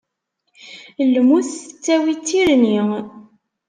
Lmut tettawi d tirni.